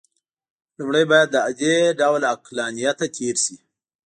لومړی باید له دې ډول عقلانیته تېر شي.